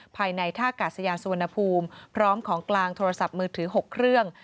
ภายในท่ากาศยานสุวรรณภูมิพร้อมของกลางโทรศัพท์มือถือ๖เครื่อง